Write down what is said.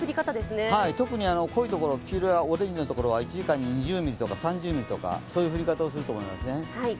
特に濃いところ、黄色やオレンジのところは１時間に２０ミリとか、３０ミリとか、そういう降り方をすると思いますね。